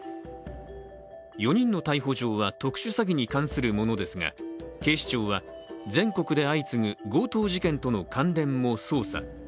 ４人の逮捕状は特殊詐欺に関するものですが、警視庁は全国で相次ぐ強盗事件との関連も捜査。